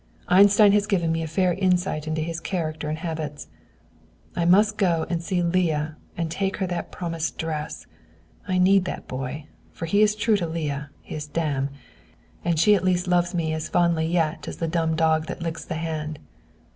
Einstein has given me a fair insight into his character and habits. I must go and see Leah and take her that promised dress. I need that boy, for he is true to Leah, his dam, and she at least loves me as fondly yet as the dumb dog that licks the hand.